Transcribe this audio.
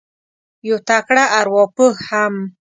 یو تکړه اروا پوه هم